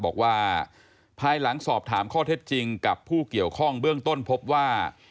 บอกว่าภายหลังสอบถามข้อเท็จจริงกับผู้เกี่ยวข้องเบื้องต้นพบว่า